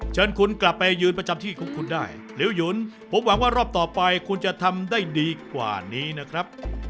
เชิญคุณกลับไปยืนประจำที่ของคุณได้ริ้วหยุนผมหวังว่ารอบต่อไปคุณจะทำได้ดีกว่านี้นะครับ